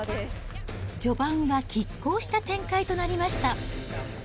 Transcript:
序盤はきっ抗した展開となりました。